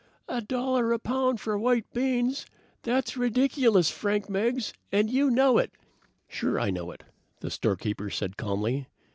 "A dollar a pound for white beans! That's ridiculous, Frank Meggs, and you know it!" "Sure I know it," the storekeeper said calmly.